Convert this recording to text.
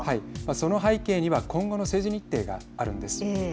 その背景には今後の政治日程があるんです。